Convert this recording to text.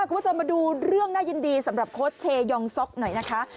คุณผู้ชมมาดูเรื่องน่ายินดีสำหรับโค้ชเชยองซ็อกหน่อยนะคะ